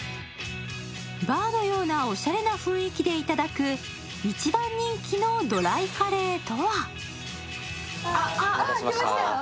バーのようなおしゃれな雰囲気でいただく一番人気のドライカレーとはお待たせしました。